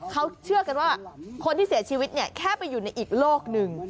เขาเชื่อกันว่าคนที่เสียชีวิตเนี่ยแค่ไปอยู่ในอีกโลกหนึ่ง